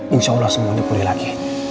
insya allah semuanya pulih lagi